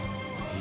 え